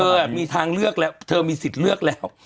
เธอมีทางเลือกแล้วเธอมีสิทธิ์เลือกแล้ว